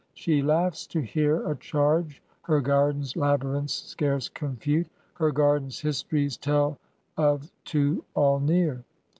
She laughs to hear A charge her garden's labyrinths scarce confute, Her garden's histories tell of to all near.